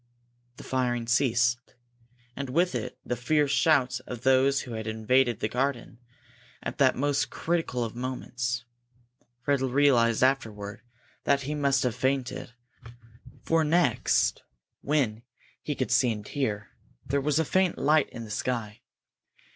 The firing ceased, and with it the fierce shouts of those who had invaded the garden at that most critical of moments. Fred realized afterward that he must have fainted, for when next he could see and hear, there was a faint light in the sky.